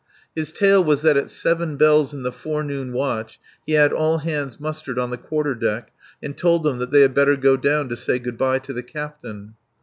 His tale was that at seven bells in the forenoon watch he had all hands mustered on the quarterdeck and told them they had better go down to say good bye to the captain.